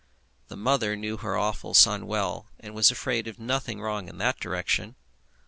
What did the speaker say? The mother knew her awful son well, and was afraid of nothing wrong in that direction.